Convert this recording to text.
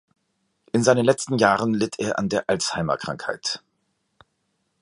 In seinen letzten Jahren litt er an der Alzheimer-Krankheit.